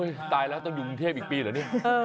โอ้ยตายแล้วต้องยุงเทพอีกปีเหรอนี่